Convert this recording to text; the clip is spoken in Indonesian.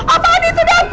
apaan itu dam